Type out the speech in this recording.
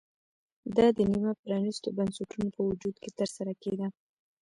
دا د نیمه پرانېستو بنسټونو په وجود کې ترسره کېده